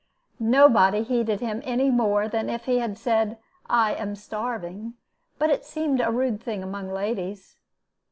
Nobody heeded him any more than if he had said, "I am starving," but it seemed a rude thing among ladies.